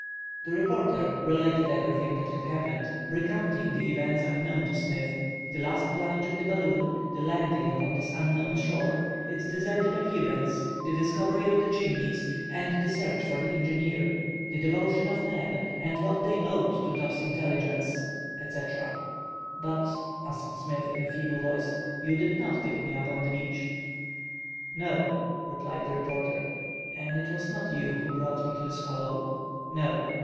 The reporter related everything that had happened. Recounting the events unknown to Smith; the last plunge of the balloon, the landing upon this unknown shore, its deserted appearance, the discovery of the Chimneys, the search for the engineer, the devotion of Neb, and what they owed to Top's intelligence, etc. "But," asked Smith, in a feeble voice, "you did not pick me up on the beach?" "No," replied the reporter. "And it was not you who brought me to this hollow?" "No."